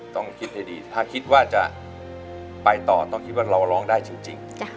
ต้องคิดให้ดีถ้าคิดว่าจะไปต่อต้องคิดว่าเราร้องได้จริง